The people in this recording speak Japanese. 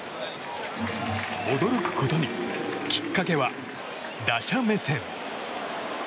驚くことにきっかけは、打者目線。